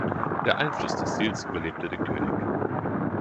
Der Einfluss des Stils überlebte den König.